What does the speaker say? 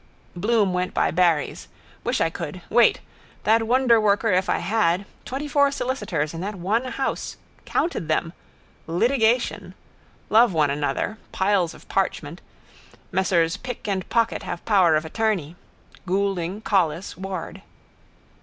Bloom went by Barry's. Wish I could. Wait. That wonderworker if I had. Twentyfour solicitors in that one house. Counted them. Litigation. Love one another. Piles of parchment. Messrs Pick and Pocket have power of attorney. Goulding, Collis, Ward.